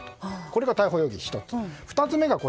これが逮捕容疑の１つ。